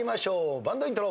バンドイントロ。